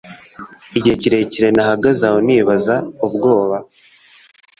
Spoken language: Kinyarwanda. igihe kirekire nahagaze aho nibaza, ubwoba